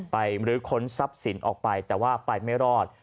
หรือค้นทรัพย์สินออกไปแต่ว่าไปไม่รอด